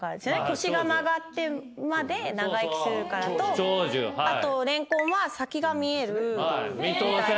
腰が曲がってまで長生きするからとあとレンコンは先が見えるみたいな。